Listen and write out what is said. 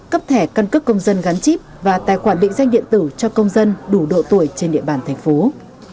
cấp thẻ căn cước công dân gắn chip và tài khoản định danh điện tử cho công dân đủ độ tuổi trên địa bàn thành phố